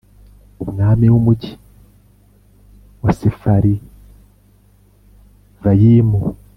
Umwami w umugi wa Sefarivayimu